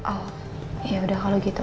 oh ya udah kalau gitu